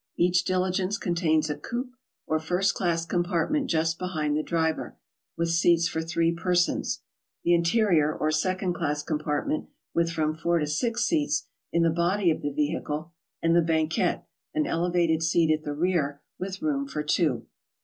Each diligence contains a coupe, or first class compartment just behind the driver, with seats for three persons; the interieur, or second class compartment, with from four to six seats, in the body of the vehicle; and the banquette, an elevated seat at the rear, with room for two.